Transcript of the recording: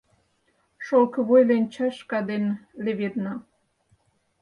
Шолкывой ленчешка ден леведна.